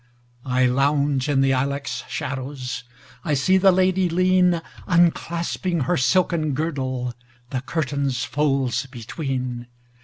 I lounge in the ilex shadows,I see the lady lean, Unclasping her silken girdle, The curtain's folds between.